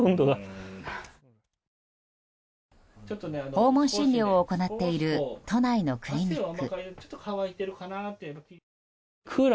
訪問診療を行っている都内のクリニック。